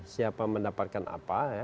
siapa mendapatkan apa ya